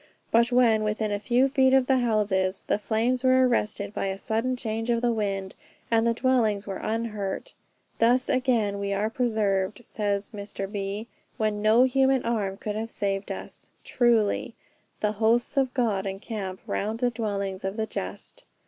But when within a few feet of the houses, the flames were arrested by a sudden change of the wind, and the dwellings were unhurt. "Thus again are we preserved," says Mr. B. "when no human arm could have saved us!" Truly, "The hosts of God encamp around The dwellings of the just."